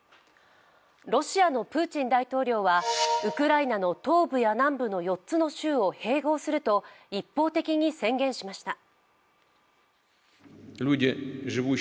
ロシアのプーチン大統領はウクライナの東部や南部の４つの州を併合すると一方的に宣言しました。